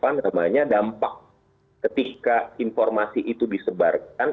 apa namanya dampak ketika informasi itu disebarkan